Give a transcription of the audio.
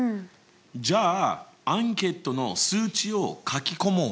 じゃあアンケートの数値を書き込もう！